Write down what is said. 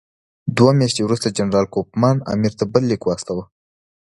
دوه میاشتې وروسته جنرال کوفمان امیر ته بل لیک واستاوه.